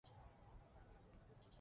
爱知县出身。